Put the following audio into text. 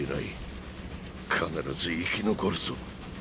必ず生き残るぞ。